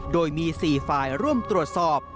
โดยมี๔ฝ่ายร่วมตรวจสอบ